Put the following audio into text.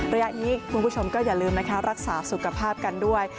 ระยะนี้คุณผู้ชมก็อย่าลืมนะคะรักษาสุขภาพกันด้วย